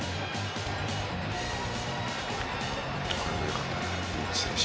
これもよかった、リーチ選手。